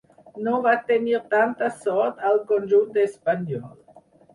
No va tenir tanta sort al conjunt espanyol.